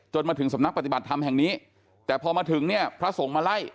มาถึงสำนักปฏิบัติธรรมแห่งนี้แต่พอมาถึงเนี่ยพระสงฆ์มาไล่